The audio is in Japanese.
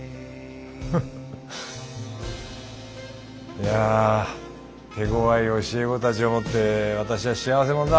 いや手ごわい教え子たちを持って私は幸せ者だ。